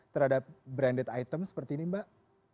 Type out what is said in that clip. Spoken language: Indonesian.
terhadap branded item seperti ini mbak